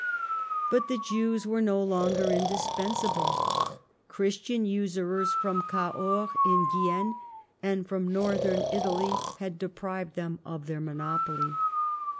But the Jews were no longer indispensable. Christian usurers from Cahors in Guienne and from northern Italy had deprived them of their monopoly.